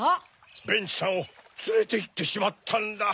ベンチさんをつれていってしまったんだ。